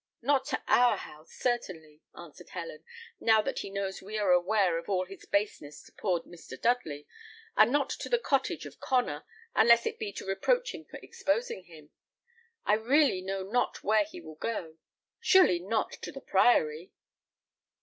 "Not to our house, certainly," answered Helen, "now that he knows we are aware of all his baseness to poor Mr. Dudley; and not to the cottage of Connor, unless it be to reproach him for exposing him. I really know not where he will go; surely not to the Priory!"